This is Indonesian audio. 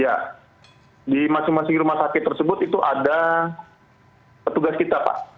ya di masing masing rumah sakit tersebut itu ada petugas kita pak